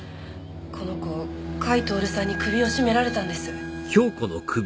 この子甲斐享さんに首を絞められたんです。